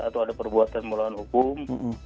atau ada perbuatan melawan hukum